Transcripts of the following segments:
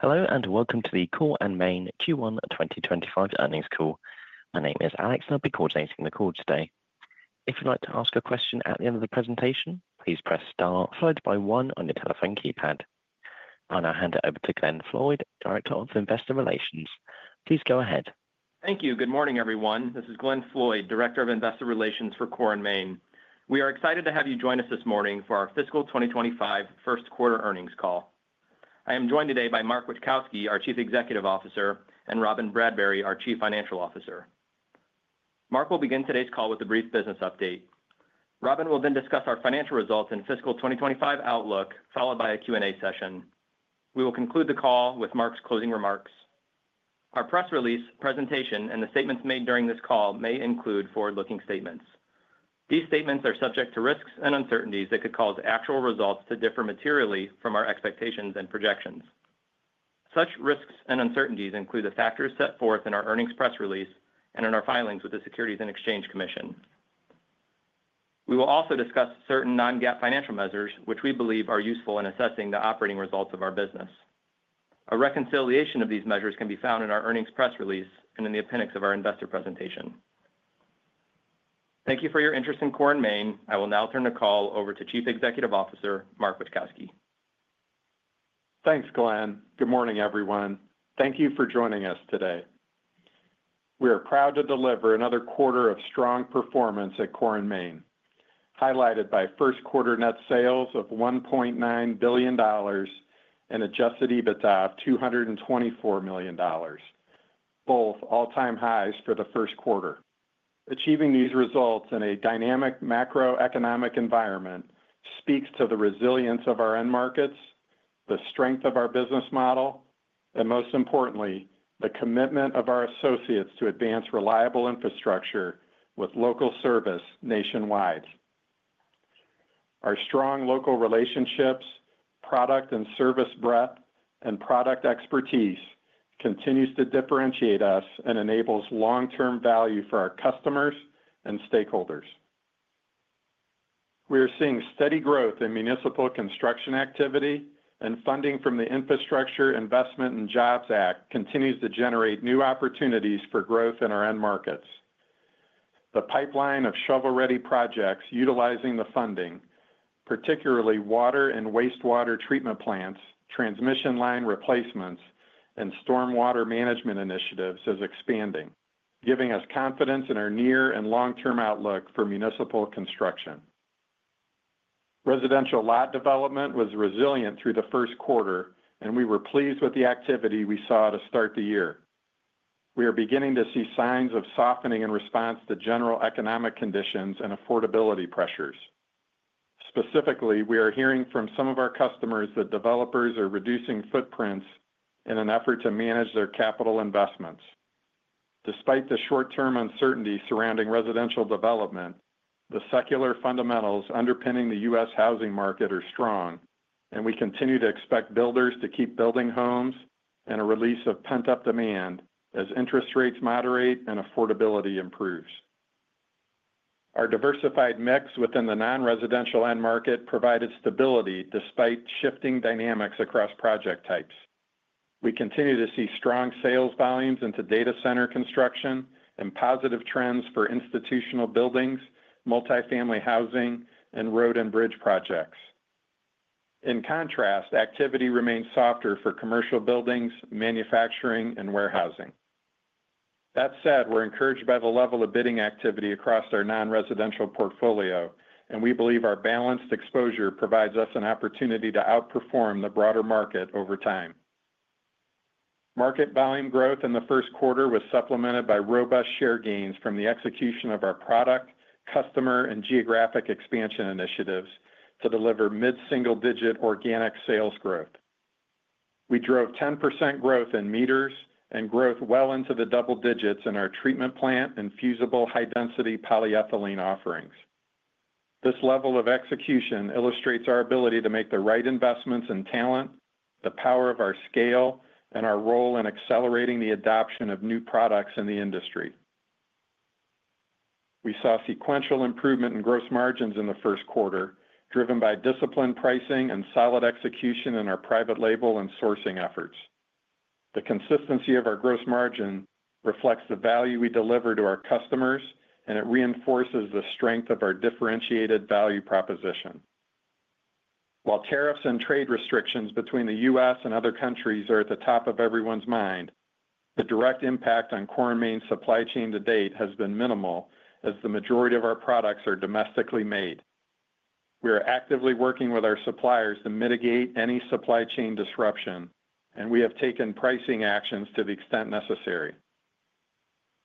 Hello and welcome to the Core & Main Q1 2025 Earnings Call. My name is Alex and I'll be coordinating the call today. If you'd like to ask a question at the end of the presentation, please press star followed by one on your telephone keypad. I'll now hand it over to Glenn Floyd, Director of Investor Relations. Please go ahead. Thank you. Good morning, everyone. This is Glenn Floyd, Director of Investor Relations for Core & Main. We are excited to have you join us this morning for our fiscal 2025 first quarter earnings call. I am joined today by Mark Witkowski, our Chief Executive Officer, and Robyn Bradbury, our Chief Financial Officer. Mark will begin today's call with a brief business update. Robyn will then discuss our financial results and fiscal 2025 outlook, followed by a Q&A session. We will conclude the call with Mark's closing remarks. Our press release, presentation, and the statements made during this call may include forward-looking statements. These statements are subject to risks and uncertainties that could cause actual results to differ materially from our expectations and projections. Such risks and uncertainties include the factors set forth in our earnings press release and in our filings with the Securities and Exchange Commission. We will also discuss certain non-GAAP financial measures, which we believe are useful in assessing the operating results of our business. A reconciliation of these measures can be found in our earnings press release and in the appendix of our investor presentation. Thank you for your interest in Core & Main. I will now turn the call over to Chief Executive Officer, Mark Witkowski. Thanks, Glenn. Good morning, everyone. Thank you for joining us today. We are proud to deliver another quarter of strong performance at Core & Main, highlighted by first quarter net sales of $1.9 billion and adjusted EBITDA of $224 million, both all-time highs for the first quarter. Achieving these results in a dynamic macroeconomic environment speaks to the resilience of our end markets, the strength of our business model, and most importantly, the commitment of our associates to advance reliable infrastructure with local service nationwide. Our strong local relationships, product and service breadth, and product expertise continue to differentiate us and enable long-term value for our customers and stakeholders. We are seeing steady growth in municipal construction activity, and funding from the Infrastructure Investment and Jobs Act continues to generate new opportunities for growth in our end markets. The pipeline of shovel-ready projects utilizing the funding, particularly water and wastewater treatment plants, transmission line replacements, and stormwater management initiatives, is expanding, giving us confidence in our near and long-term outlook for municipal construction. Residential lot development was resilient through the first quarter, and we were pleased with the activity we saw to start the year. We are beginning to see signs of softening in response to general economic conditions and affordability pressures. Specifically, we are hearing from some of our customers that developers are reducing footprints in an effort to manage their capital investments. Despite the short-term uncertainty surrounding residential development, the secular fundamentals underpinning the U.S. housing market are strong, and we continue to expect builders to keep building homes and a release of pent-up demand as interest rates moderate and affordability improves. Our diversified mix within the non-residential end market provided stability despite shifting dynamics across project types. We continue to see strong sales volumes into data center construction and positive trends for institutional buildings, multifamily housing, and road and bridge projects. In contrast, activity remains softer for commercial buildings, manufacturing, and warehousing. That said, we're encouraged by the level of bidding activity across our non-residential portfolio, and we believe our balanced exposure provides us an opportunity to outperform the broader market over time. Market volume growth in the first quarter was supplemented by robust share gains from the execution of our product, customer, and geographic expansion initiatives to deliver mid-single-digit organic sales growth. We drove 10% growth in meters and growth well into the double digits in our treatment plant and fusible high-density polyethylene offerings. This level of execution illustrates our ability to make the right investments in talent, the power of our scale, and our role in accelerating the adoption of new products in the industry. We saw sequential improvement in gross margins in the first quarter, driven by disciplined pricing and solid execution in our private label and sourcing efforts. The consistency of our gross margin reflects the value we deliver to our customers, and it reinforces the strength of our differentiated value proposition. While tariffs and trade restrictions between the U.S. and other countries are at the top of everyone's mind, the direct impact on Core & Main's supply chain to date has been minimal, as the majority of our products are domestically made. We are actively working with our suppliers to mitigate any supply chain disruption, and we have taken pricing actions to the extent necessary.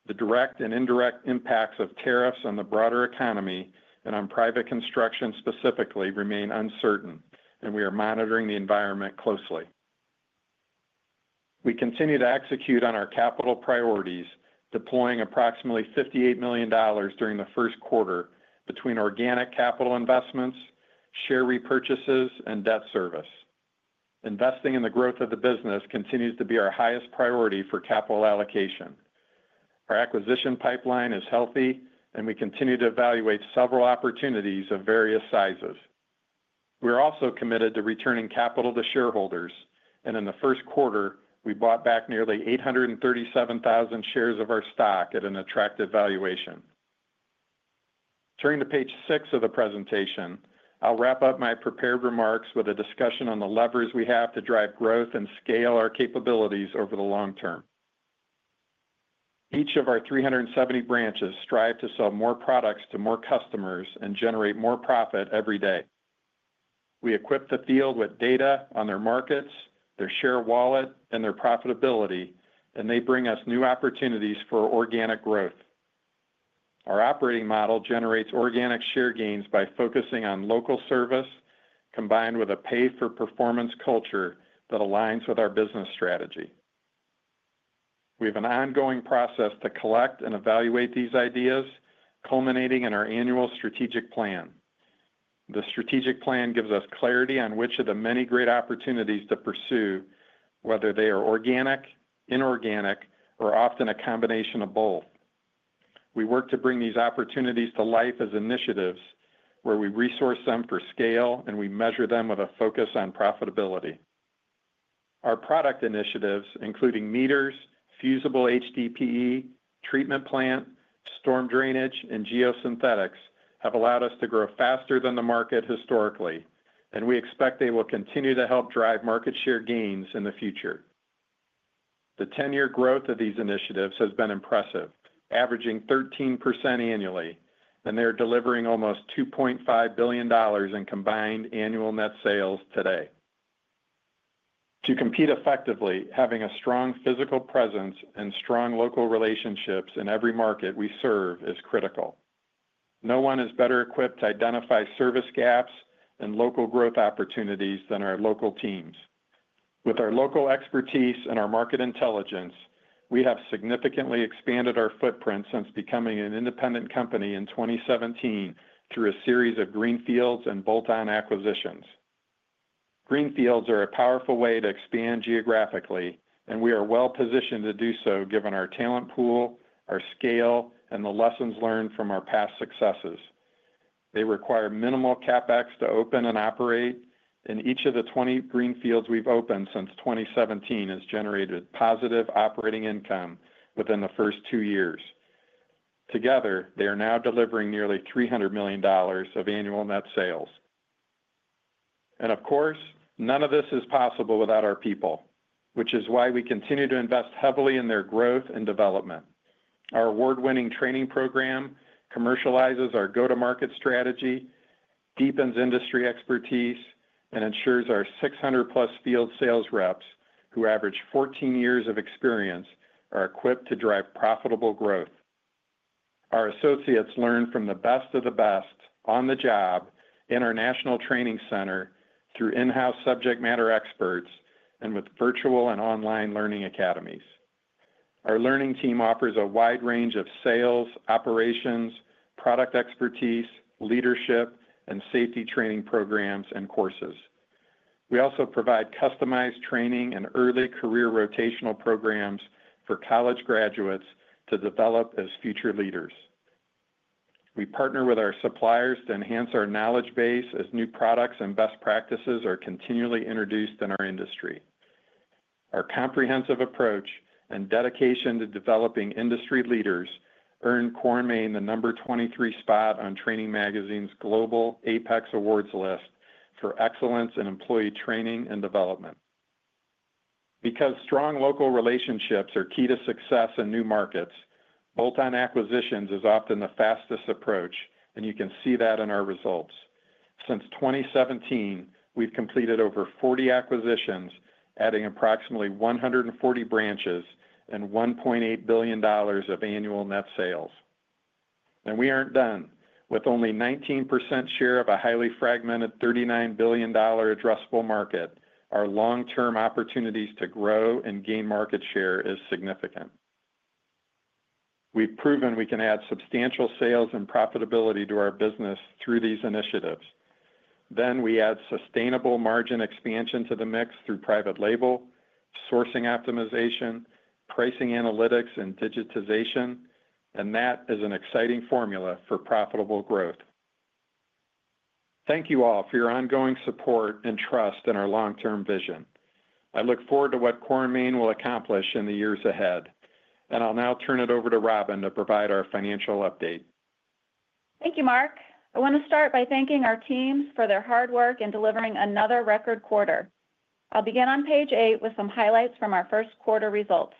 The direct and indirect impacts of tariffs on the broader economy and on private construction specifically remain uncertain, and we are monitoring the environment closely. We continue to execute on our capital priorities, deploying approximately $58 million during the first quarter between organic capital investments, share repurchases, and debt service. Investing in the growth of the business continues to be our highest priority for capital allocation. Our acquisition pipeline is healthy, and we continue to evaluate several opportunities of various sizes. We are also committed to returning capital to shareholders, and in the first quarter, we bought back nearly 837,000 shares of our stock at an attractive valuation. Turning to page six of the presentation, I'll wrap up my prepared remarks with a discussion on the levers we have to drive growth and scale our capabilities over the long term. Each of our 370 branches strive to sell more products to more customers and generate more profit every day. We equip the field with data on their markets, their share wallet, and their profitability, and they bring us new opportunities for organic growth. Our operating model generates organic share gains by focusing on local service combined with a pay-for-performance culture that aligns with our business strategy. We have an ongoing process to collect and evaluate these ideas, culminating in our annual strategic plan. The strategic plan gives us clarity on which of the many great opportunities to pursue, whether they are organic, inorganic, or often a combination of both. We work to bring these opportunities to life as initiatives where we resource them for scale, and we measure them with a focus on profitability. Our product initiatives, including meters, fusible HDPE, treatment plant, storm drainage, and geosynthetics, have allowed us to grow faster than the market historically, and we expect they will continue to help drive market share gains in the future. The 10-year growth of these initiatives has been impressive, averaging 13% annually, and they are delivering almost $2.5 billion in combined annual net sales today. To compete effectively, having a strong physical presence and strong local relationships in every market we serve is critical. No one is better equipped to identify service gaps and local growth opportunities than our local teams. With our local expertise and our market intelligence, we have significantly expanded our footprint since becoming an independent company in 2017 through a series of greenfields and bolt-on acquisitions. Greenfields are a powerful way to expand geographically, and we are well positioned to do so given our talent pool, our scale, and the lessons learned from our past successes. They require minimal CapEx to open and operate, and each of the 20 greenfields we've opened since 2017 has generated positive operating income within the first two years. Together, they are now delivering nearly $300 million of annual net sales. Of course, none of this is possible without our people, which is why we continue to invest heavily in their growth and development. Our award-winning training program commercializes our go-to-market strategy, deepens industry expertise, and ensures our 600+ field sales reps, who average 14 years of experience, are equipped to drive profitable growth. Our associates learn from the best of the best on the job in our national training center through in-house subject matter experts and with virtual and online learning academies. Our learning team offers a wide range of sales, operations, product expertise, leadership, and safety training programs and courses. We also provide customized training and early career rotational programs for college graduates to develop as future leaders. We partner with our suppliers to enhance our knowledge base as new products and best practices are continually introduced in our industry. Our comprehensive approach and dedication to developing industry leaders earn Core & Main the number 23 spot on Training Magazine's Global APEX Awards list for excellence in employee training and development. Because strong local relationships are key to success in new markets, bolt-on acquisitions is often the fastest approach, and you can see that in our results. Since 2017, we've completed over 40 acquisitions, adding approximately 140 branches and $1.8 billion of annual net sales. We aren't done. With only a 19% share of a highly fragmented $39 billion addressable market, our long-term opportunities to grow and gain market share are significant. We've proven we can add substantial sales and profitability to our business through these initiatives. We add sustainable margin expansion to the mix through private label, sourcing optimization, pricing analytics, and digitization, and that is an exciting formula for profitable growth. Thank you all for your ongoing support and trust in our long-term vision. I look forward to what Core & Main will accomplish in the years ahead, and I'll now turn it over to Robyn to provide our financial update. Thank you, Mark. I want to start by thanking our teams for their hard work in delivering another record quarter. I'll begin on page eight with some highlights from our first quarter results.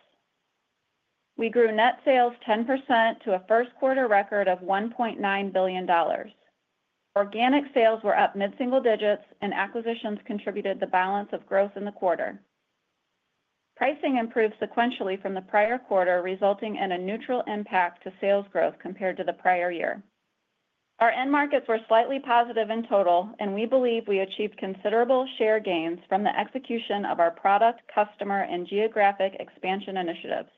We grew net sales 10% to a first quarter record of $1.9 billion. Organic sales were up mid-single digits, and acquisitions contributed the balance of growth in the quarter. Pricing improved sequentially from the prior quarter, resulting in a neutral impact to sales growth compared to the prior year. Our end markets were slightly positive in total, and we believe we achieved considerable share gains from the execution of our product, customer, and geographic expansion initiatives.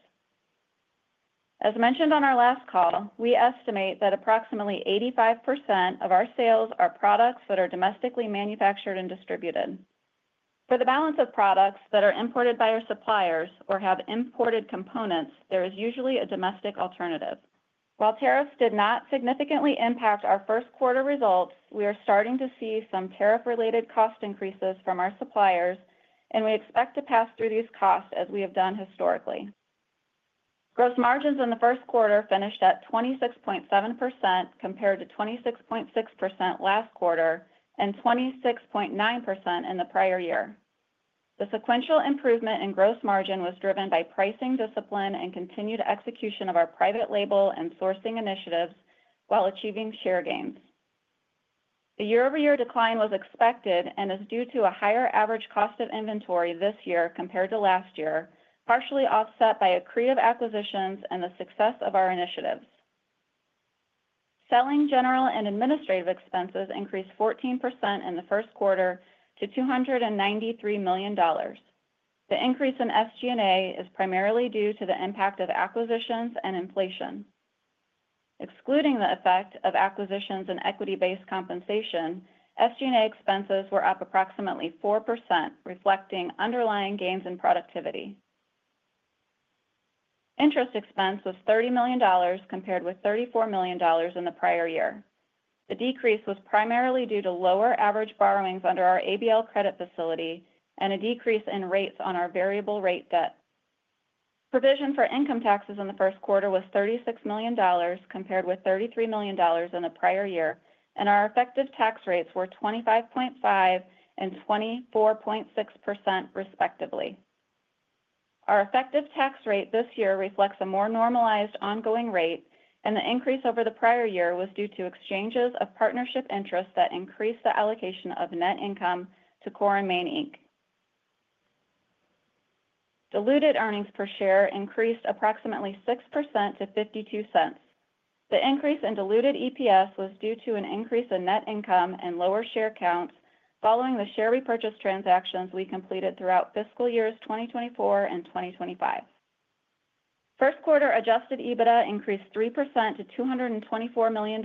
As mentioned on our last call, we estimate that approximately 85% of our sales are products that are domestically manufactured and distributed. For the balance of products that are imported by our suppliers or have imported components, there is usually a domestic alternative. While tariffs did not significantly impact our first quarter results, we are starting to see some tariff-related cost increases from our suppliers, and we expect to pass through these costs as we have done historically. Gross margins in the first quarter finished at 26.7% compared to 26.6% last quarter and 26.9% in the prior year. The sequential improvement in gross margin was driven by pricing discipline and continued execution of our private label and sourcing initiatives while achieving share gains. The year-over-year decline was expected and is due to a higher average cost of inventory this year compared to last year, partially offset by accretive acquisitions and the success of our initiatives. Selling, general and administrative expenses increased 14% in the first quarter to $293 million. The increase in SG&A is primarily due to the impact of acquisitions and inflation. Excluding the effect of acquisitions and equity-based compensation, SG&A expenses were up approximately 4%, reflecting underlying gains in productivity. Interest expense was $30 million compared with $34 million in the prior year. The decrease was primarily due to lower average borrowings under our ABL credit facility and a decrease in rates on our variable-rate debt. Provision for income taxes in the first quarter was $36 million compared with $33 million in the prior year, and our effective tax rates were 25.5% and 24.6%, respectively. Our effective tax rate this year reflects a more normalized ongoing rate, and the increase over the prior year was due to exchanges of partnership interest that increased the allocation of net income to Core & Main. Diluted earnings per share increased approximately 6% to $0.52. The increase in diluted EPS was due to an increase in net income and lower share counts following the share repurchase transactions we completed throughout fiscal years 2024 and 2025. First quarter adjusted EBITDA increased 3% to $224 million.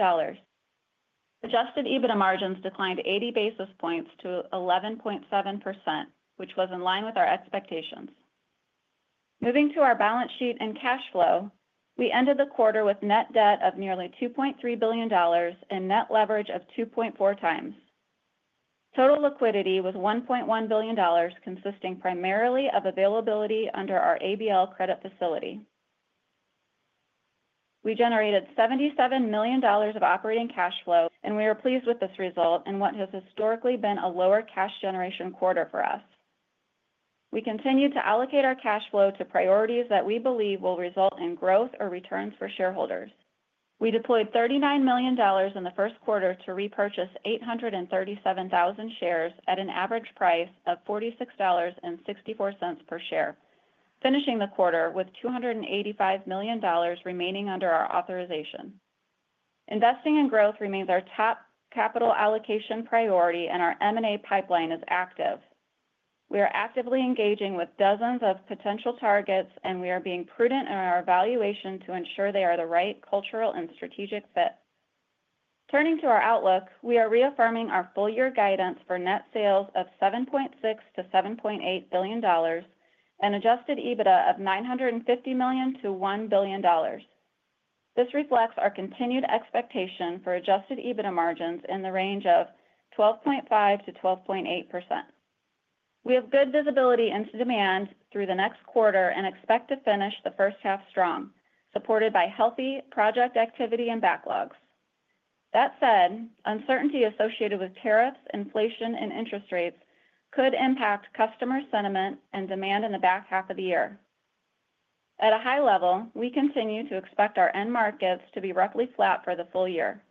Adjusted EBITDA margins declined 80 basis points to 11.7%, which was in line with our expectations. Moving to our balance sheet and cash flow, we ended the quarter with net debt of nearly $2.3 billion and net leverage of 2.4 times. Total liquidity was $1.1 billion, consisting primarily of availability under our ABL credit facility. We generated $77 million of operating cash flow, and we are pleased with this result in what has historically been a lower cash generation quarter for us. We continue to allocate our cash flow to priorities that we believe will result in growth or returns for shareholders. We deployed $39 million in the first quarter to repurchase 837,000 shares at an average price of $46.64 per share, finishing the quarter with $285 million remaining under our authorization. Investing in growth remains our top capital allocation priority, and our M&A pipeline is active. We are actively engaging with dozens of potential targets, and we are being prudent in our valuation to ensure they are the right cultural and strategic fit. Turning to our outlook, we are reaffirming our full-year guidance for net sales of $7.6 billion-$7.8 billion and adjusted EBITDA of $950 million-$1 billion. This reflects our continued expectation for adjusted EBITDA margins in the range of 12.5%-12.8%. We have good visibility into demand through the next quarter and expect to finish the first half strong, supported by healthy project activity and backlogs. That said, uncertainty associated with tariffs, inflation, and interest rates could impact customer sentiment and demand in the back half of the year. At a high level, we continue to expect our end markets to be roughly flat for the full year,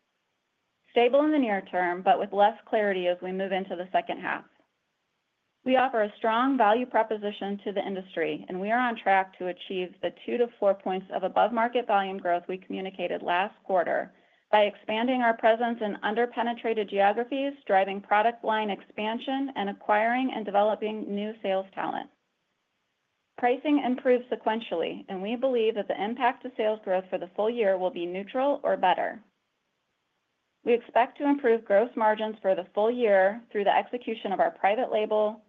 stable in the near term, but with less clarity as we move into the second half. We offer a strong value proposition to the industry, and we are on track to achieve the 2-4 points of above-market volume growth we communicated last quarter by expanding our presence in under-penetrated geographies, driving product line expansion, and acquiring and developing new sales talent. Pricing improves sequentially, and we believe that the impact of sales growth for the full year will be neutral or better. We expect to improve gross margins for the full year through the execution of our private label,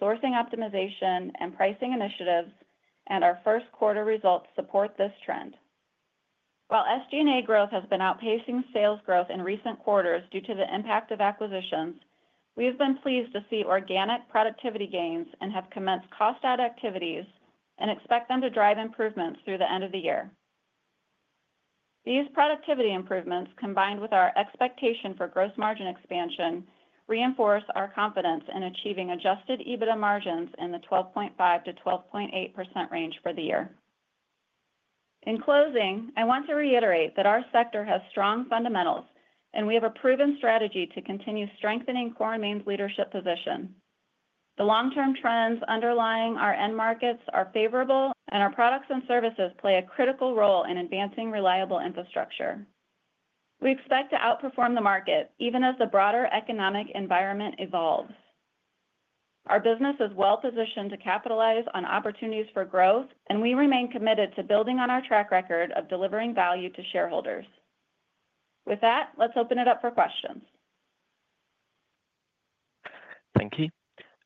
sourcing optimization, and pricing initiatives, and our first quarter results support this trend. While SG&A growth has been outpacing sales growth in recent quarters due to the impact of acquisitions, we have been pleased to see organic productivity gains and have commenced cost-add activities and expect them to drive improvements through the end of the year. These productivity improvements, combined with our expectation for gross margin expansion, reinforce our confidence in achieving adjusted EBITDA margins in the 12.5%-12.8% range for the year. In closing, I want to reiterate that our sector has strong fundamentals, and we have a proven strategy to continue strengthening Core & Main's leadership position. The long-term trends underlying our end markets are favorable, and our products and services play a critical role in advancing reliable infrastructure. We expect to outperform the market even as the broader economic environment evolves. Our business is well positioned to capitalize on opportunities for growth, and we remain committed to building on our track record of delivering value to shareholders. With that, let's open it up for questions. Thank you.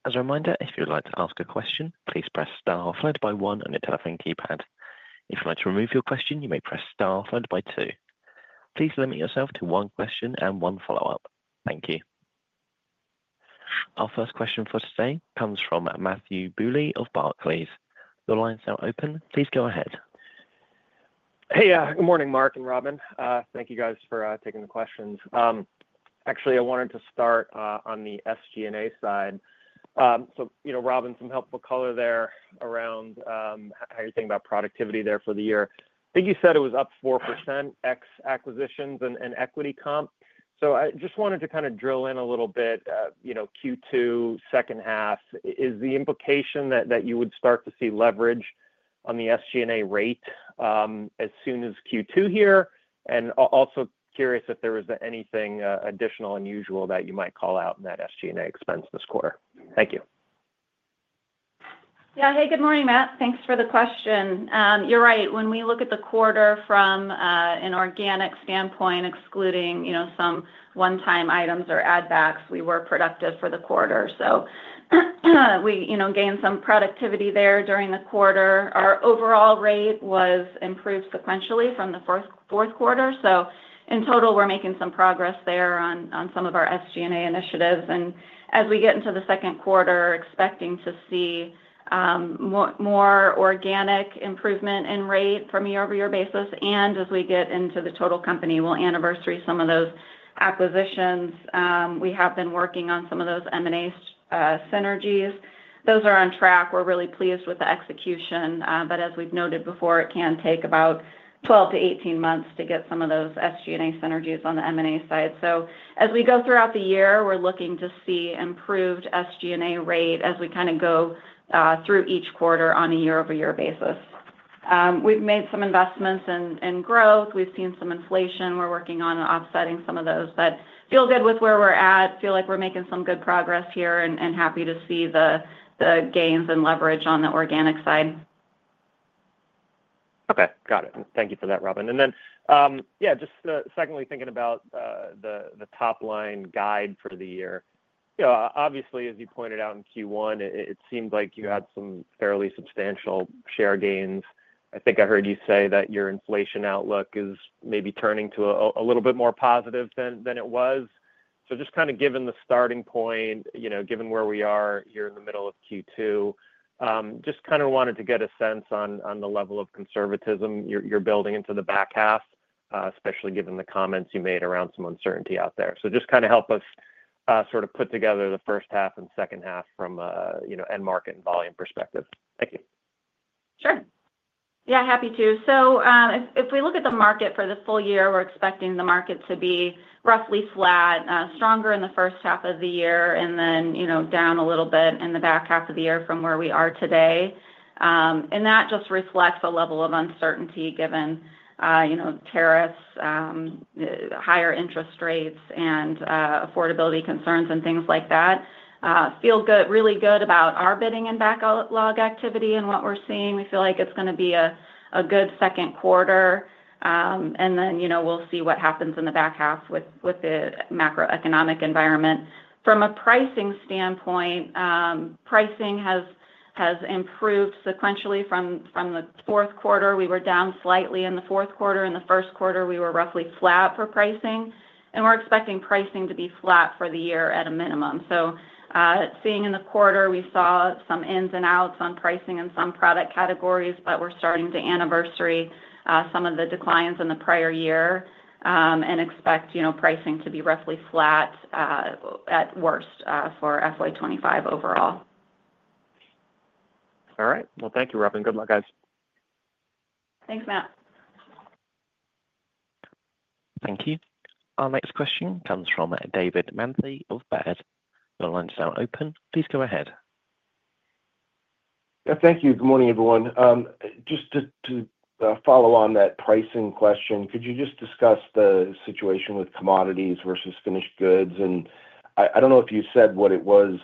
As a reminder, if you'd like to ask a question, please press star followed by one on your telephone keypad. If you'd like to remove your question, you may press star followed by two. Please limit yourself to one question and one follow-up. Thank you. Our first question for today comes from Matthew Bouley of Barclays. The line's now open. Please go ahead. Hey, good morning, Mark and Robyn. Thank you guys for taking the questions. Actually, I wanted to start on the SG&A side. So, you know, Robyn, some helpful color there around how you're thinking about productivity there for the year. I think you said it was up 4%, ex-acquisitions and equity comp. I just wanted to kind of drill in a little bit, you know, Q2, second half. Is the implication that you would start to see leverage on the SG&A rate as soon as Q2 here? Also curious if there was anything additional unusual that you might call out in that SG&A expense this quarter. Thank you. Yeah, hey, good morning, Matt. Thanks for the question. You're right. When we look at the quarter from an organic standpoint, excluding, you know, some one-time items or add-backs, we were productive for the quarter. So we, you know, gained some productivity there during the quarter. Our overall rate was improved sequentially from the fourth quarter. In total, we're making some progress there on some of our SG&A initiatives. As we get into the second quarter, we're expecting to see more organic improvement in rate from a year-over-year basis. As we get into the total company, we'll anniversary some of those acquisitions. We have been working on some of those M&A synergies. Those are on track. We're really pleased with the execution. As we've noted before, it can take about 12 months to 18 months to get some of those SG&A synergies on the M&A side. As we go throughout the year, we're looking to see improved SG&A rate as we kind of go through each quarter on a year-over-year basis. We've made some investments in growth. We've seen some inflation. We're working on offsetting some of those. Feel good with where we're at. Feel like we're making some good progress here and happy to see the gains and leverage on the organic side. Okay. Got it. Thank you for that, Robyn. Then, just secondly, thinking about the top-line guide for the year. You know, obviously, as you pointed out in Q1, it seemed like you had some fairly substantial share gains. I think I heard you say that your inflation outlook is maybe turning to a little bit more positive than it was. Just kind of given the starting point, you know, given where we are here in the middle of Q2, just kind of wanted to get a sense on the level of conservatism you're building into the back half, especially given the comments you made around some uncertainty out there. Just kind of help us sort of put together the first half and second half from a, you know, end market and volume perspective. Thank you. Sure. Yeah, happy to. If we look at the market for the full year, we're expecting the market to be roughly flat, stronger in the first half of the year, and then, you know, down a little bit in the back half of the year from where we are today. That just reflects a level of uncertainty given, you know, tariffs, higher interest rates, and affordability concerns and things like that. Feel good, really good about our bidding and backlog activity and what we're seeing. We feel like it's going to be a good second quarter. You know, we'll see what happens in the back half with the macroeconomic environment. From a pricing standpoint, pricing has improved sequentially from the fourth quarter. We were down slightly in the fourth quarter. In the first quarter, we were roughly flat for pricing. We're expecting pricing to be flat for the year at a minimum. In the quarter, we saw some ins and outs on pricing in some product categories, but we're starting to anniversary some of the declines in the prior year and expect, you know, pricing to be roughly flat at worst for FY2025 overall. All right. Thank you, Robyn. Good luck, guys. Thanks, Matt. Thank you. Our next question comes from David Manley of Barclays. Your lines are now open. Please go ahead. Thank you. Good morning, everyone. Just to follow on that pricing question, could you just discuss the situation with commodities versus finished goods? I do not know if you said what it was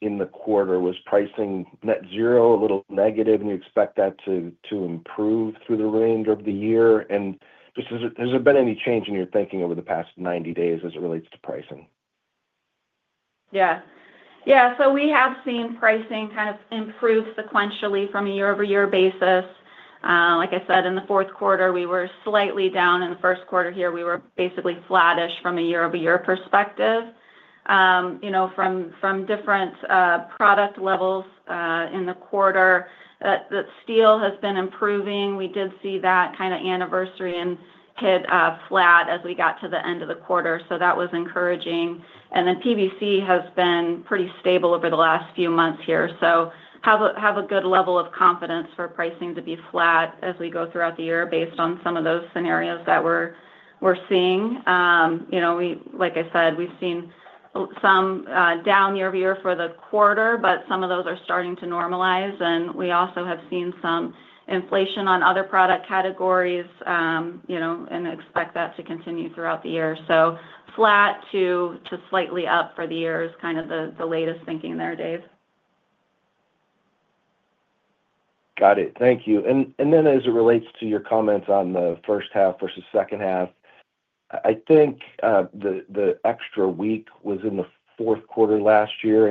in the quarter. Was pricing net zero, a little negative, and you expect that to improve through the remainder of the year? Just has there been any change in your thinking over the past 90 days as it relates to pricing? Yeah. Yeah. So we have seen pricing kind of improve sequentially from a year-over-year basis. Like I said, in the fourth quarter, we were slightly down. In the first quarter here, we were basically flattish from a year-over-year perspective. You know, from different product levels in the quarter, that steel has been improving. We did see that kind of anniversary and hit flat as we got to the end of the quarter. That was encouraging. PVC has been pretty stable over the last few months here. I have a good level of confidence for pricing to be flat as we go throughout the year based on some of those scenarios that we're seeing. You know, like I said, we've seen some down year-over-year for the quarter, but some of those are starting to normalize. We also have seen some inflation on other product categories, you know, and expect that to continue throughout the year. Flat to slightly up for the year is kind of the latest thinking there, Dave. Got it. Thank you. As it relates to your comments on the first half versus second half, I think the extra week was in the fourth quarter last year.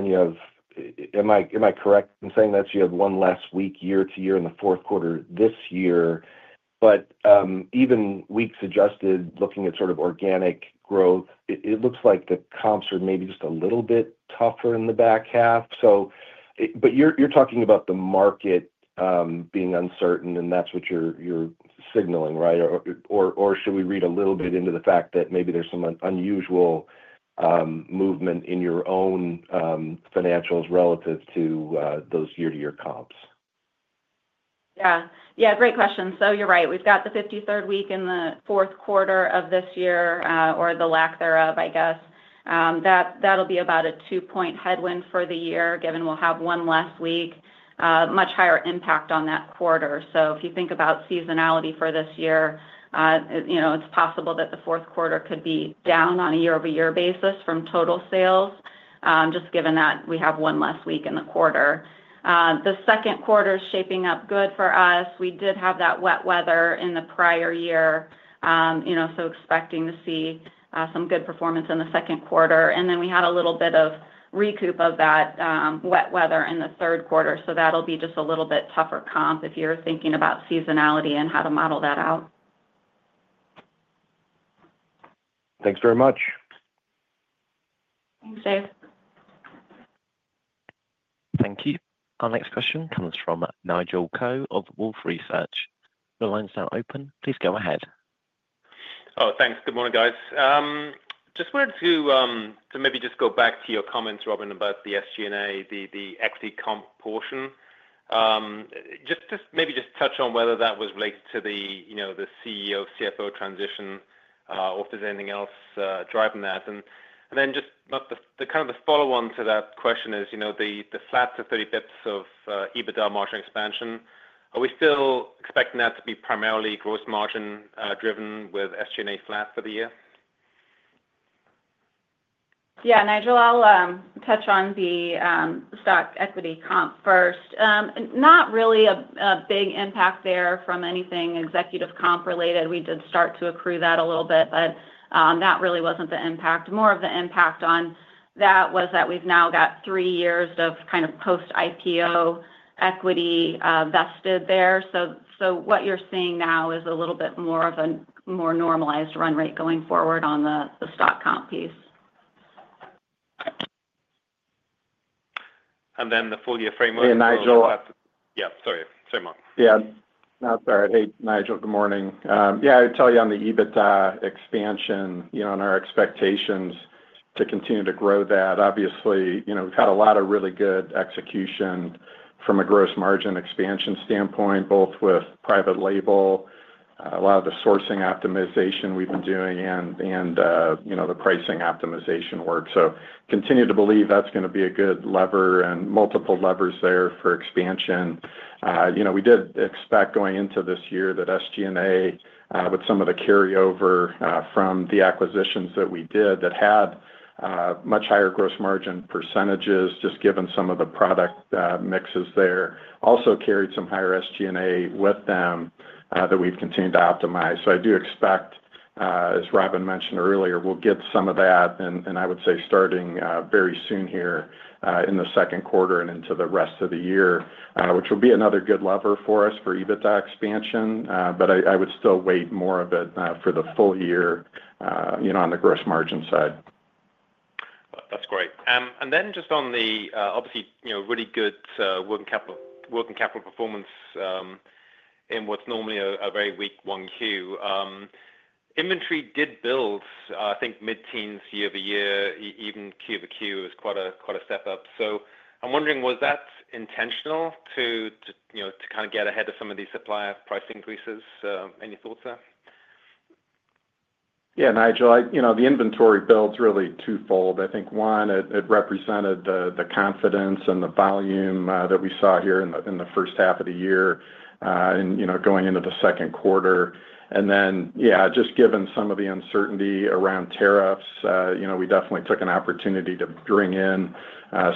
Am I correct in saying that? You have one less week year-to-year in the fourth quarter this year. Even weeks adjusted, looking at sort of organic growth, it looks like the comps are maybe just a little bit tougher in the back half. You are talking about the market being uncertain, and that is what you are signaling, right? Or should we read a little bit into the fact that maybe there is some unusual movement in your own financials relative to those year-to-year comps? Yeah. Yeah, great question. So you're right. We've got the 53rd week in the fourth quarter of this year, or the lack thereof, I guess. That'll be about a two-point headwind for the year, given we'll have one less week, much higher impact on that quarter. If you think about seasonality for this year, you know, it's possible that the fourth quarter could be down on a year-over-year basis from total sales, just given that we have one less week in the quarter. The second quarter is shaping up good for us. We did have that wet weather in the prior year, you know, so expecting to see some good performance in the second quarter. And then we had a little bit of recoup of that wet weather in the third quarter. That'll be just a little bit tougher comp if you're thinking about seasonality and how to model that out. Thanks very much. Thanks, Dave. Thank you. Our next question comes from Nigel Coe of Wolfe Research. Your lines are now open. Please go ahead. Oh, thanks. Good morning, guys. Just wanted to maybe just go back to your comments, Robyn, about the SG&A, the equity comp portion. Just maybe just touch on whether that was related to the, you know, the CEO/CFO transition, or if there's anything else driving that. Then just kind of the follow-on to that question is, you know, the flat to 30 BPS of EBITDA margin expansion, are we still expecting that to be primarily gross margin driven with SG&A flat for the year? Yeah, Nigel, I'll touch on the stock equity comp first. Not really a big impact there from anything executive comp related. We did start to accrue that a little bit, but that really wasn't the impact. More of the impact on that was that we've now got three years of kind of post-IPO equity vested there. So what you're seeing now is a little bit more of a more normalized run rate going forward on the stock comp piece. Then the full-year framework. Hey, Nigel. Yeah, sorry. Sorry, Mark. Yeah. No, sorry. Hey, Nigel. Good morning. Yeah, I would tell you on the EBITDA expansion, you know, and our expectations to continue to grow that. Obviously, you know, we've had a lot of really good execution from a gross margin expansion standpoint, both with private label, a lot of the sourcing optimization we've been doing, and, you know, the pricing optimization work. Continue to believe that's going to be a good lever and multiple levers there for expansion. You know, we did expect going into this year that SG&A, with some of the carryover from the acquisitions that we did, that had much higher gross margin percentages, just given some of the product mixes there, also carried some higher SG&A with them that we've continued to optimize. I do expect, as Robyn mentioned earlier, we'll get some of that, and I would say starting very soon here in the second quarter and into the rest of the year, which will be another good lever for us for EBITDA expansion. I would still wait more of it for the full year, you know, on the gross margin side. That's great. And then just on the, obviously, you know, really good working capital performance in what's normally a very weak one-Q. Inventory did build, I think, mid-teens, year-over-year, even Q over Q is quite a step up. So I'm wondering, was that intentional to, you know, to kind of get ahead of some of these supplier price increases? Any thoughts there? Yeah, Nigel, you know, the inventory builds really twofold. I think, one, it represented the confidence and the volume that we saw here in the first half of the year and, you know, going into the second quarter. And then, yeah, just given some of the uncertainty around tariffs, you know, we definitely took an opportunity to bring in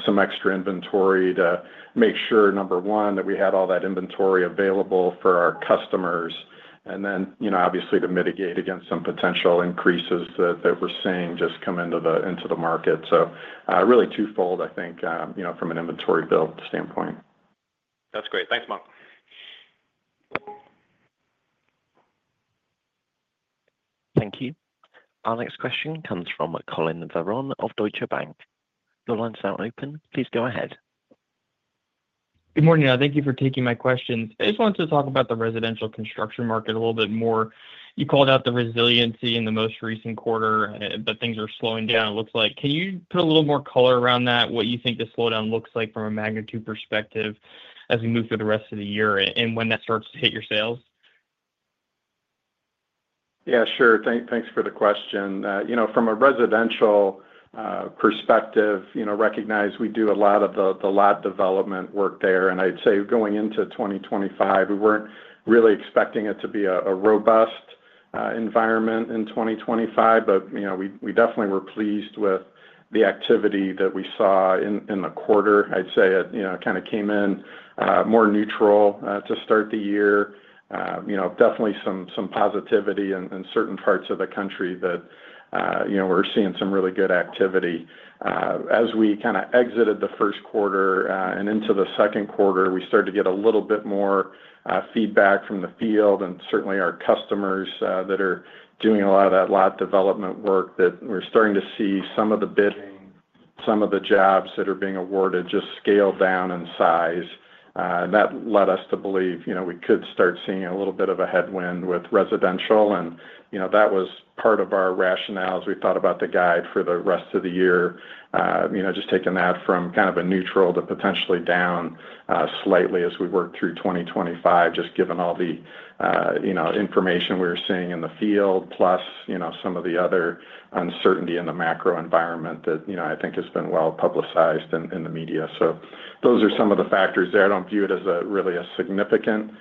some extra inventory to make sure, number one, that we had all that inventory available for our customers. And then, you know, obviously, to mitigate against some potential increases that we're seeing just come into the market. So really twofold, I think, you know, from an inventory build standpoint. That's great. Thanks, Mark. Thank you. Our next question comes from Collin Verron of Deutsche Bank. Your lines are now open. Please go ahead. Good morning. Thank you for taking my questions. I just wanted to talk about the residential construction market a little bit more. You called out the resiliency in the most recent quarter, that things are slowing down, it looks like. Can you put a little more color around that, what you think the slowdown looks like from a magnitude perspective as we move through the rest of the year and when that starts to hit your sales? Yeah, sure. Thanks for the question. You know, from a residential perspective, you know, recognize we do a lot of the lot development work there. I'd say going into 2025, we were not really expecting it to be a robust environment in 2025. You know, we definitely were pleased with the activity that we saw in the quarter. I'd say it, you know, kind of came in more neutral to start the year. You know, definitely some positivity in certain parts of the country that, you know, we are seeing some really good activity. As we kind of exited the first quarter and into the second quarter, we started to get a little bit more feedback from the field and certainly our customers that are doing a lot of that lot development work that we're starting to see some of the bidding, some of the jobs that are being awarded just scale down in size. That led us to believe, you know, we could start seeing a little bit of a headwind with residential. That was part of our rationale as we thought about the guide for the rest of the year, you know, just taking that from kind of a neutral to potentially down slightly as we work through 2025, just given all the, you know, information we're seeing in the field, plus, you know, some of the other uncertainty in the macro environment that, you know, I think has been well publicized in the media. Those are some of the factors there. I do not view it as really a significant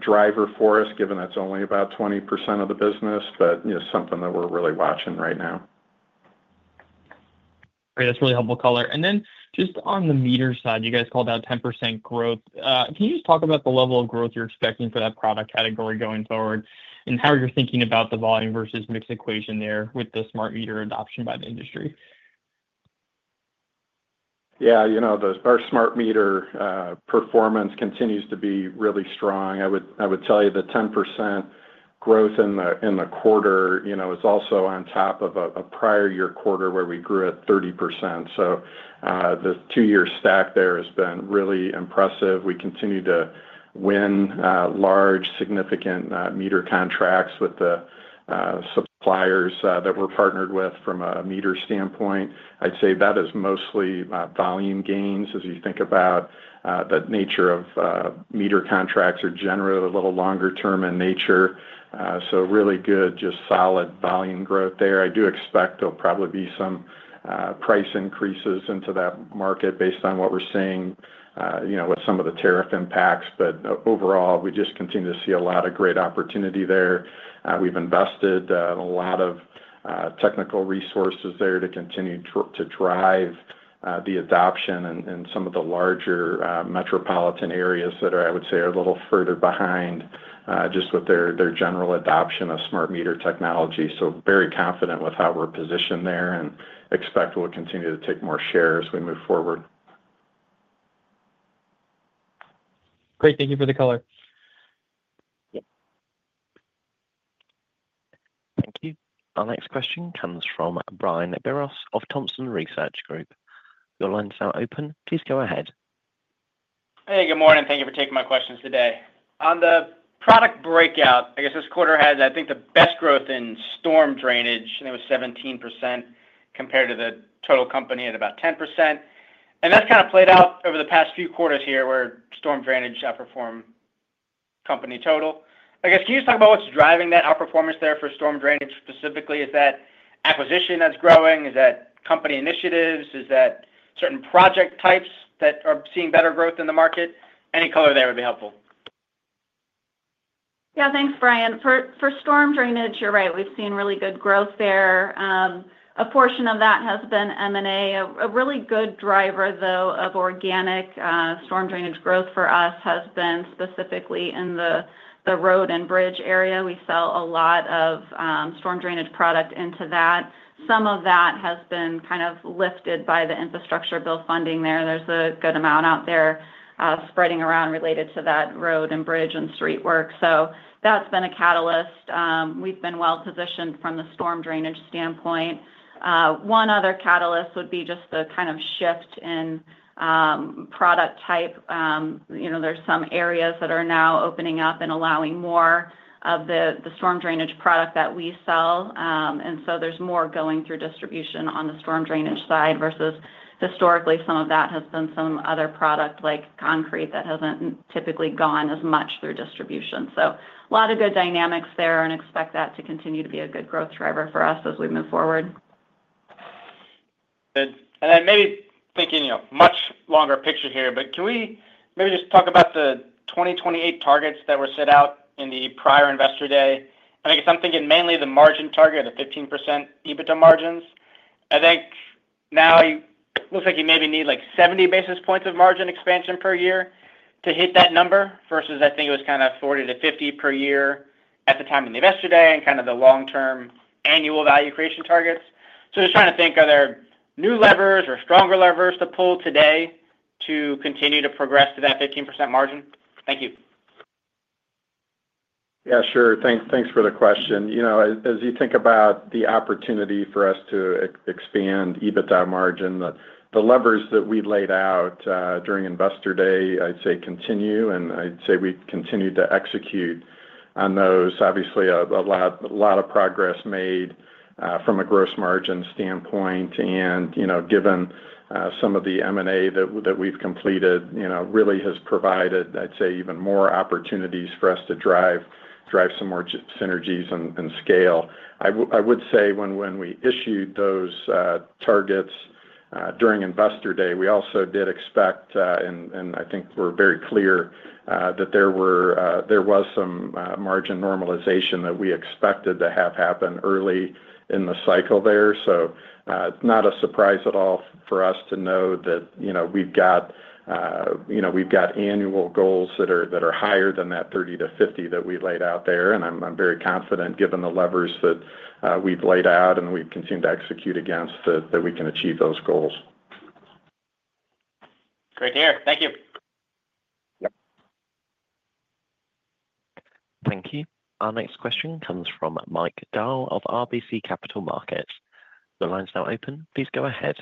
driver for us, given that's only about 20% of the business, but, you know, something that we're really watching right now. Great. That is really helpful, Colin. Then just on the meter side, you guys called out 10% growth. Can you just talk about the level of growth you are expecting for that product category going forward and how you are thinking about the volume versus mix equation there with the smart meter adoption by the industry? Yeah, you know, the smart meter performance continues to be really strong. I would tell you the 10% growth in the quarter, you know, is also on top of a prior year quarter where we grew at 30%. So the two-year stack there has been really impressive. We continue to win large, significant meter contracts with the suppliers that we're partnered with from a meter standpoint. I'd say that is mostly volume gains. As you think about the nature of meter contracts are generally a little longer term in nature. So really good, just solid volume growth there. I do expect there'll probably be some price increases into that market based on what we're seeing, you know, with some of the tariff impacts. Overall, we just continue to see a lot of great opportunity there. We've invested a lot of technical resources there to continue to drive the adoption in some of the larger metropolitan areas that are, I would say, a little further behind just with their general adoption of smart meter technology. Very confident with how we're positioned there and expect we'll continue to take more share as we move forward. Great. Thank you for the color. Thank you. Our next question comes from Brian Biros of Thompson Research Group. Your lines are now open. Please go ahead. Hey, good morning. Thank you for taking my questions today. On the product breakout, I guess this quarter had, I think, the best growth in storm drainage, and it was 17% compared to the total company at about 10%. And that's kind of played out over the past few quarters here where storm drainage outperformed company total. I guess, can you just talk about what's driving that outperformance there for storm drainage specifically? Is that acquisition that's growing? Is that company initiatives? Is that certain project types that are seeing better growth in the market? Any color there would be helpful. Yeah, thanks, Brian. For storm drainage, you're right. We've seen really good growth there. A portion of that has been M&A. A really good driver, though, of organic storm drainage growth for us has been specifically in the road and bridge area. We sell a lot of storm drainage product into that. Some of that has been kind of lifted by the infrastructure bill funding there. There's a good amount out there spreading around related to that road and bridge and street work. That has been a catalyst. We've been well positioned from the storm drainage standpoint. One other catalyst would be just the kind of shift in product type. You know, there are some areas that are now opening up and allowing more of the storm drainage product that we sell. There is more going through distribution on the storm drainage side versus historically, some of that has been some other product like concrete that has not typically gone as much through distribution. A lot of good dynamics there and expect that to continue to be a good growth driver for us as we move forward. Then maybe thinking, you know, much longer picture here, but can we maybe just talk about the 2028 targets that were set out in the prior investor day? I mean, because I'm thinking mainly the margin target, the 15% EBITDA margins. I think now it looks like you maybe need like 70 basis points of margin expansion per year to hit that number versus I think it was kind of 40-50 basis points per year at the time of the investor day and kind of the long-term annual value creation targets. Just trying to think, are there new levers or stronger levers to pull today to continue to progress to that 15% margin? Thank you. Yeah, sure. Thanks for the question. You know, as you think about the opportunity for us to expand EBITDA margin, the levers that we laid out during investor day, I'd say continue, and I'd say we continue to execute on those. Obviously, a lot of progress made from a gross margin standpoint. You know, given some of the M&A that we've completed, you know, really has provided, I'd say, even more opportunities for us to drive some more synergies and scale. I would say when we issued those targets during investor day, we also did expect, and I think we're very clear that there was some margin normalization that we expected to have happen early in the cycle there. It's not a surprise at all for us to know that, you know, we've got annual goals that are higher than that 30-50 basis points that we laid out there. I'm very confident, given the levers that we've laid out and we've continued to execute against, that we can achieve those goals. Great to hear. Thank you. Thank you. Our next question comes from Mike Dahl of RBC Capital Markets. Your lines are now open. Please go ahead.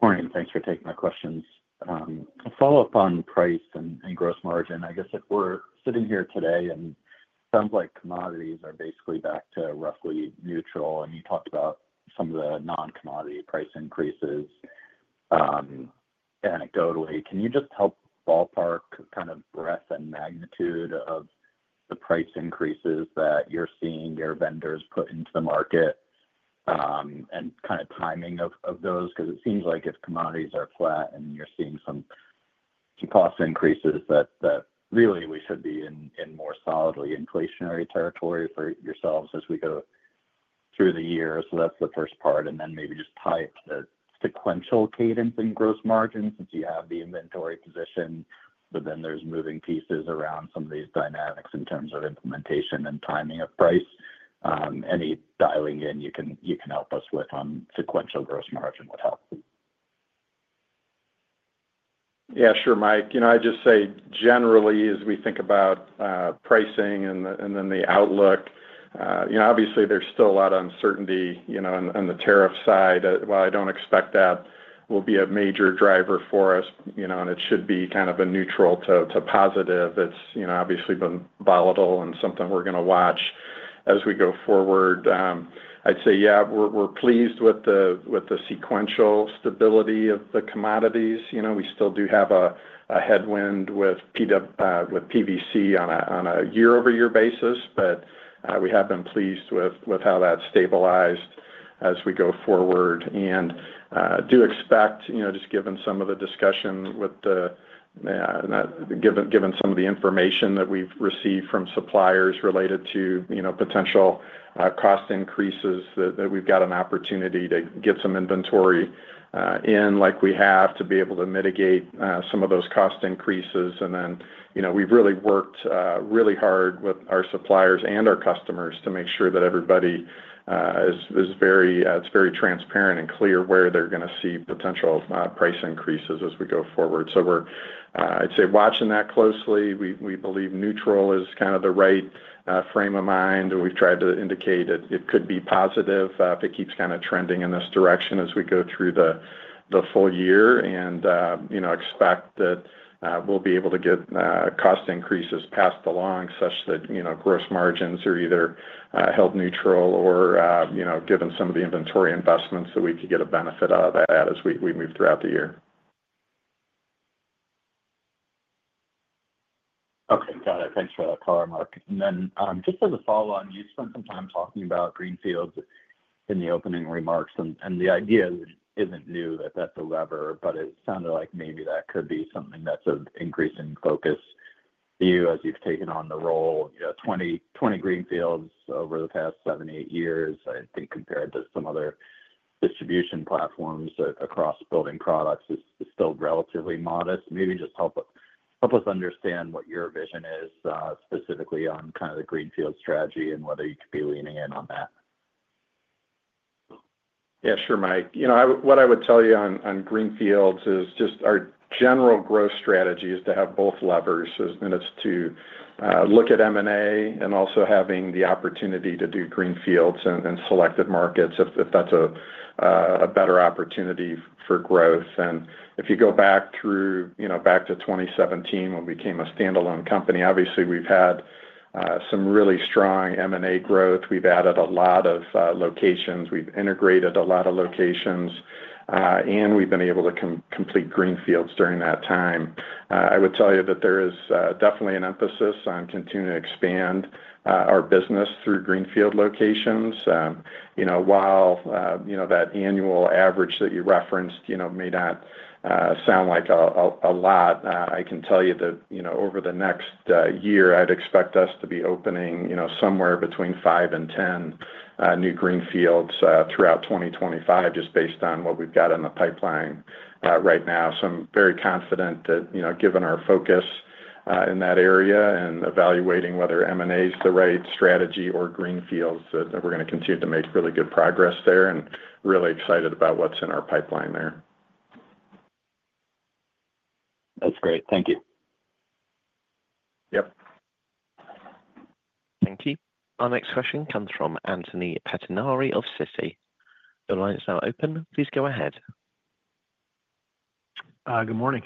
Morning. Thanks for taking my questions. A follow-up on price and gross margin. I guess if we're sitting here today and it sounds like commodities are basically back to roughly neutral, and you talked about some of the non-commodity price increases anecdotally. Can you just help ballpark kind of breadth and magnitude of the price increases that you're seeing your vendors put into the market and kind of timing of those? Because it seems like if commodities are flat and you're seeing some cost increases, that really we should be in more solidly inflationary territory for yourselves as we go through the year. That's the first part. Then maybe just type the sequential cadence in gross margins since you have the inventory position, but then there's moving pieces around some of these dynamics in terms of implementation and timing of price. Any dialing in you can help us with on sequential gross margin would help. Yeah, sure, Mike. You know, I'd just say generally, as we think about pricing and then the outlook, you know, obviously there's still a lot of uncertainty, you know, on the tariff side. I don't expect that will be a major driver for us, you know, and it should be kind of a neutral to positive. It's, you know, obviously been volatile and something we're going to watch as we go forward. I'd say, yeah, we're pleased with the sequential stability of the commodities. You know, we still do have a headwind with PVC on a year-over-year basis, but we have been pleased with how that's stabilized as we go forward. Do you expect, you know, just given some of the discussion with the, given some of the information that we've received from suppliers related to, you know, potential cost increases, that we've got an opportunity to get some inventory in like we have to be able to mitigate some of those cost increases. You know, we've really worked really hard with our suppliers and our customers to make sure that everybody is very, it's very transparent and clear where they're going to see potential price increases as we go forward. I'd say we're watching that closely. We believe neutral is kind of the right frame of mind. We've tried to indicate it could be positive if it keeps kind of trending in this direction as we go through the full year. You know, expect that we'll be able to get cost increases passed along such that, you know, gross margins are either held neutral or, you know, given some of the inventory investments that we could get a benefit out of that as we move throughout the year. Okay. Got it. Thanks for that color, Mark. Just as a follow-on, you spent some time talking about greenfields in the opening remarks, and the idea is not new that that is a lever, but it sounded like maybe that could be something that is of increasing focus for you as you have taken on the role. You know, 20 greenfields over the past seven, eight years, I think compared to some other distribution platforms across building products is still relatively modest. Maybe just help us understand what your vision is specifically on kind of the greenfield strategy and whether you could be leaning in on that. Yeah, sure, Mike. You know, what I would tell you on greenfields is just our general growth strategy is to have both levers as minutes to look at M&A and also having the opportunity to do greenfields in selected markets if that's a better opportunity for growth. If you go back through, you know, back to 2017 when we became a standalone company, obviously we've had some really strong M&A growth. We've added a lot of locations. We've integrated a lot of locations, and we've been able to complete greenfields during that time. I would tell you that there is definitely an emphasis on continuing to expand our business through greenfield locations. You know, while you know that annual average that you referenced, you know, may not sound like a lot, I can tell you that, you know, over the next year, I'd expect us to be opening, you know, somewhere between five and 10 new greenfields throughout 2025, just based on what we've got in the pipeline right now. I am very confident that, you know, given our focus in that area and evaluating whether M&A is the right strategy or greenfields, that we're going to continue to make really good progress there and really excited about what's in our pipeline there. That's great. Thank you. Yep. Thank you. Our next question comes from Anthony Pettinari of Citi. Your line is now open. Please go ahead. Good morning.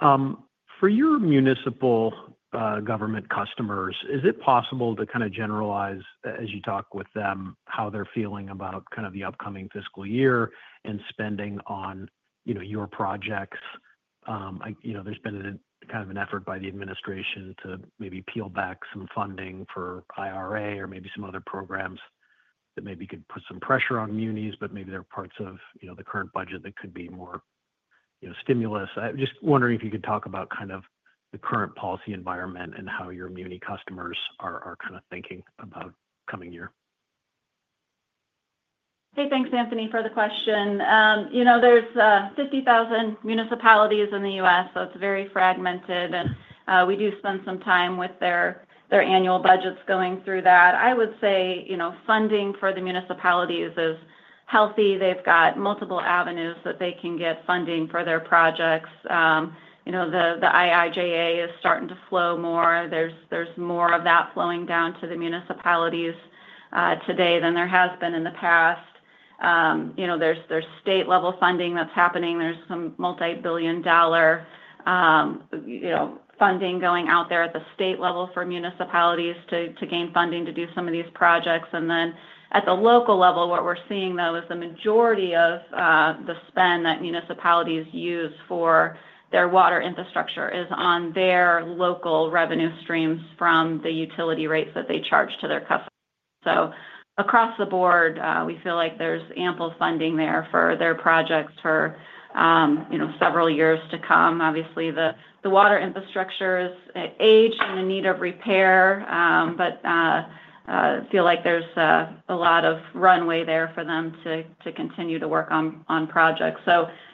For your municipal government customers, is it possible to kind of generalize as you talk with them how they're feeling about kind of the upcoming fiscal year and spending on, you know, your projects? You know, there's been kind of an effort by the administration to maybe peel back some funding for IRA or maybe some other programs that maybe could put some pressure on munis, but maybe there are parts of, you know, the current budget that could be more, you know, stimulus. I'm just wondering if you could talk about kind of the current policy environment and how your muni customers are kind of thinking about coming year. Hey, thanks, Anthony, for the question. You know, there's 50,000 municipalities in the U.S., so it's very fragmented, and we do spend some time with their annual budgets going through that. I would say, you know, funding for the municipalities is healthy. They've got multiple avenues that they can get funding for their projects. You know, the IIJA is starting to flow more. There's more of that flowing down to the municipalities today than there has been in the past. You know, there's state-level funding that's happening. There's some multi-billion dollar, you know, funding going out there at the state level for municipalities to gain funding to do some of these projects. At the local level, what we're seeing, though, is the majority of the spend that municipalities use for their water infrastructure is on their local revenue streams from the utility rates that they charge to their customers. Across the board, we feel like there's ample funding there for their projects for, you know, several years to come. Obviously, the water infrastructure is aged and in need of repair, but I feel like there's a lot of runway there for them to continue to work on projects.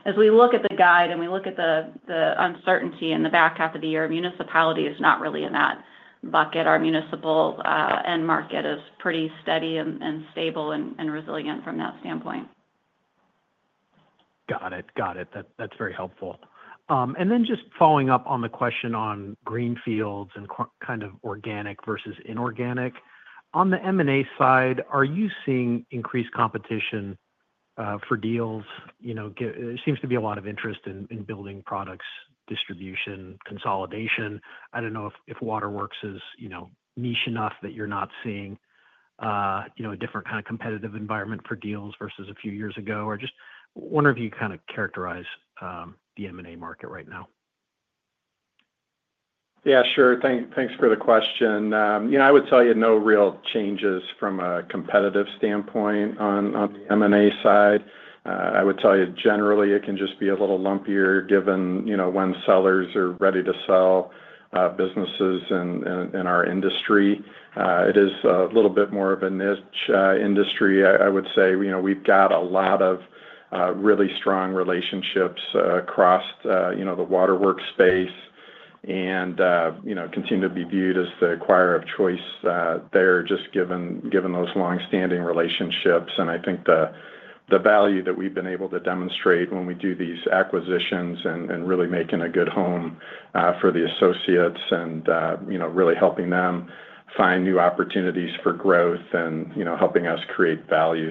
As we look at the guide and we look at the uncertainty in the back half of the year, municipality is not really in that bucket. Our municipal end market is pretty steady and stable and resilient from that standpoint. Got it. That's very helpful. Just following up on the question on greenfields and kind of organic versus inorganic, on the M&A side, are you seeing increased competition for deals? You know, it seems to be a lot of interest in building products, distribution, consolidation. I don't know if Waterworks is, you know, niche enough that you're not seeing, you know, a different kind of competitive environment for deals versus a few years ago. Just wonder if you kind of characterize the M&A market right now. Yeah, sure. Thanks for the question. You know, I would tell you no real changes from a competitive standpoint on the M&A side. I would tell you generally it can just be a little lumpier given, you know, when sellers are ready to sell businesses in our industry. It is a little bit more of a niche industry, I would say. You know, we've got a lot of really strong relationships across, you know, the Waterworks space and, you know, continue to be viewed as the acquirer of choice there, just given those long-standing relationships. I think the value that we've been able to demonstrate when we do these acquisitions and really making a good home for the associates and, you know, really helping them find new opportunities for growth and, you know, helping us create value.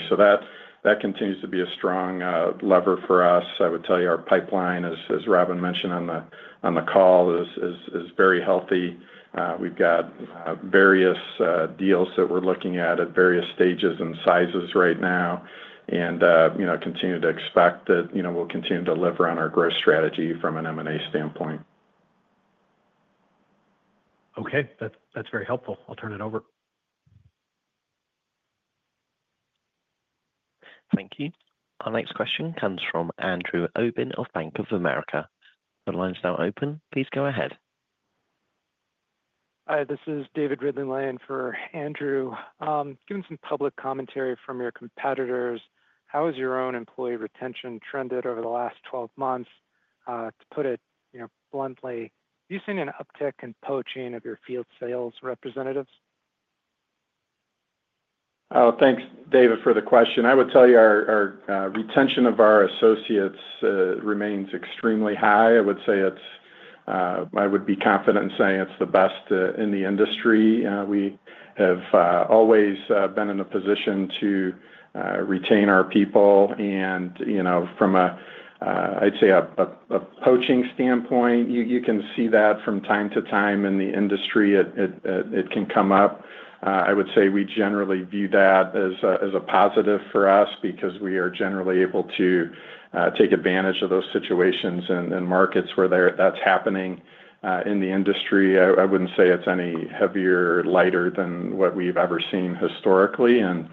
That continues to be a strong lever for us. I would tell you our pipeline, as Robyn mentioned on the call, is very healthy. We've got various deals that we're looking at at various stages and sizes right now and, you know, continue to expect that, you know, we'll continue to deliver on our growth strategy from an M&A standpoint. Okay. That's very helpful. I'll turn it over. Thank you. Our next question comes from Andrew Obin of Bank of America. The line is now open. Please go ahead. Hi, this is David Ridley-Lane for Andrew. Given some public commentary from your competitors, how has your own employee retention trended over the last 12 months? To put it, you know, bluntly, have you seen an uptick in poaching of your field sales representatives? Oh, thanks, David, for the question. I would tell you our retention of our associates remains extremely high. I would say it's, I would be confident in saying it's the best in the industry. We have always been in a position to retain our people. You know, from a, I'd say, a poaching standpoint, you can see that from time to time in the industry. It can come up. I would say we generally view that as a positive for us because we are generally able to take advantage of those situations and markets where that's happening in the industry. I wouldn't say it's any heavier or lighter than what we've ever seen historically and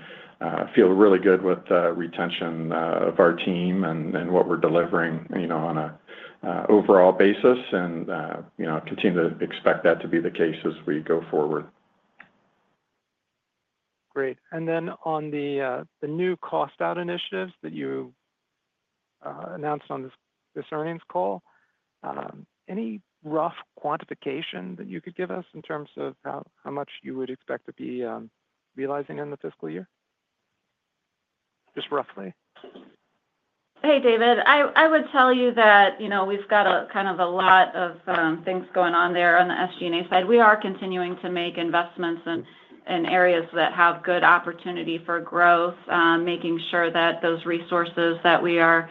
feel really good with the retention of our team and what we're delivering, you know, on an overall basis and, you know, continue to expect that to be the case as we go forward. Great. On the new cost-out initiatives that you announced on this earnings call, any rough quantification that you could give us in terms of how much you would expect to be realizing in the fiscal year? Just roughly. Hey, David. I would tell you that, you know, we've got kind of a lot of things going on there on the SG&A side. We are continuing to make investments in areas that have good opportunity for growth, making sure that those resources that we are,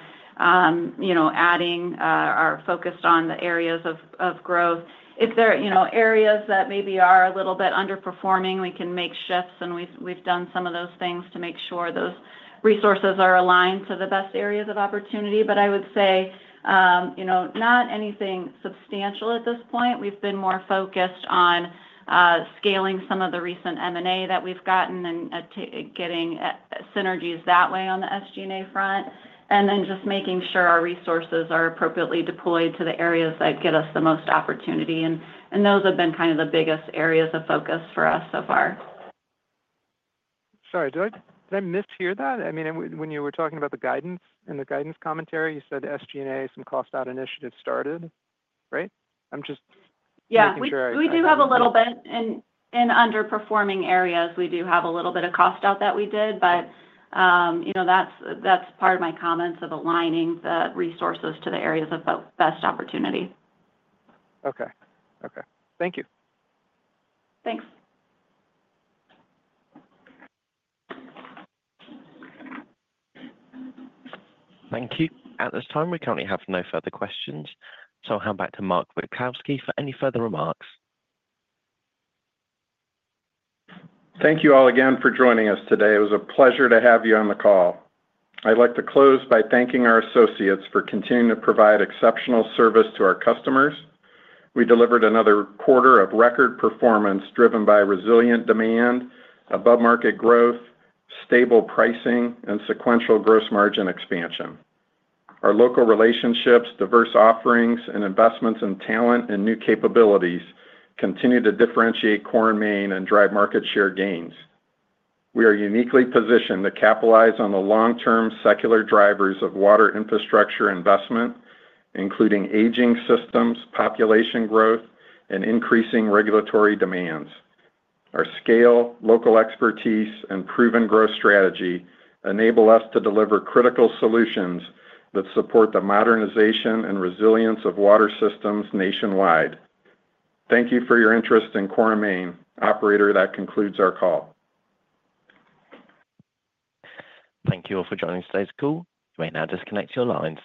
you know, adding are focused on the areas of growth. If there, you know, areas that maybe are a little bit underperforming, we can make shifts. We have done some of those things to make sure those resources are aligned to the best areas of opportunity. I would say, you know, not anything substantial at this point. We have been more focused on scaling some of the recent M&A that we've gotten and getting synergies that way on the SG&A front, and then just making sure our resources are appropriately deployed to the areas that get us the most opportunity. Those have been kind of the biggest areas of focus for us so far. Sorry, did I mishear that? I mean, when you were talking about the guidance and the guidance commentary, you said SG&A, some cost-out initiative started, right? I'm just making sure I heard. Yeah, we do have a little bit in underperforming areas. We do have a little bit of cost-out that we did, but, you know, that's part of my comments of aligning the resources to the areas of best opportunity. Okay. Thank you. Thanks. Thank you. At this time, we currently have no further questions. So I'll hand back to Mark Witkowski for any further remarks. Thank you all again for joining us today. It was a pleasure to have you on the call. I'd like to close by thanking our associates for continuing to provide exceptional service to our customers. We delivered another quarter of record performance driven by resilient demand, above-market growth, stable pricing, and sequential gross margin expansion. Our local relationships, diverse offerings, and investments in talent and new capabilities continue to differentiate Core & Main and drive market share gains. We are uniquely positioned to capitalize on the long-term secular drivers of water infrastructure investment, including aging systems, population growth, and increasing regulatory demands. Our scale, local expertise, and proven growth strategy enable us to deliver critical solutions that support the modernization and resilience of water systems nationwide. Thank you for your interest in Core & Main. Operator, that concludes our call. Thank you all for joining today's call. You may now disconnect your lines.